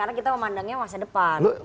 karena kita memandangnya masa depan